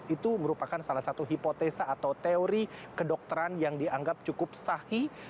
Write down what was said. itu merupakan salah satu hipotesa atau teori kedokteran yang dianggap cukup sahi